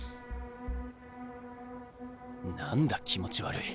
何だ気持ち悪い。